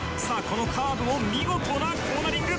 このカーブも見事なコーナリング。